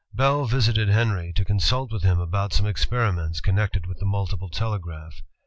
Bell visited Henry, to consult with him about some experiments connected with the multiple telegraph.